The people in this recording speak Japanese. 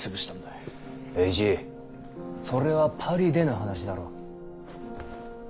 栄一それはパリでの話だろ。